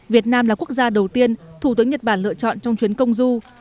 việt nam là quốc gia đầu tiên thủ tướng nhật bản lựa chọn trong chuyến công du